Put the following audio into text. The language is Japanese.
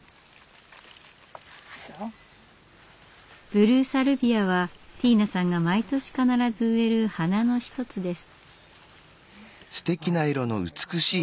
ブルーサルビアはティーナさんが毎年必ず植える花の一つです。